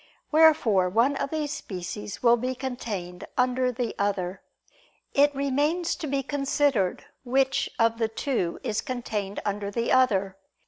Wherefore one of these species will be contained under the other. It remains to be considered which of the two is contained under the other.